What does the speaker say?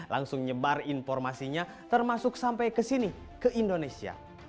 langsung nyebar informasinya termasuk sampai ke sini ke indonesia